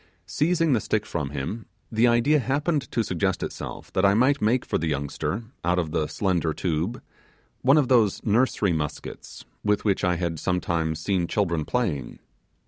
Seizing the stick from him, the idea happened to suggest itself, that I might make for the youngster, out of the slender tube, one of those nursery muskets with which I had sometimes seen children playing.